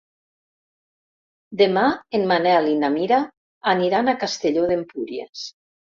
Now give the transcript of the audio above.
Demà en Manel i na Mira aniran a Castelló d'Empúries.